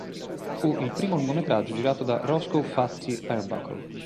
Fu il primo lungometraggio girato da Roscoe 'Fatty' Arbuckle.